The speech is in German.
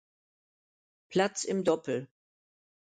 Platz im Doppel.